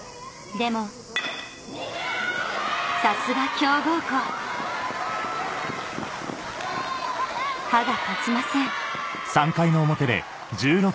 でもさすが強豪校歯が立ちません